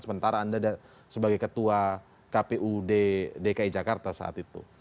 sementara anda sebagai ketua kpud dki jakarta saat itu